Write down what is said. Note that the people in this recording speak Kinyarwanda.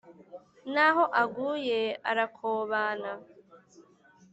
n’aho aguye arakobana!